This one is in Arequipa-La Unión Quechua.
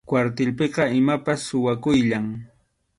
Kwartilpiqa imapas suwakuyllam.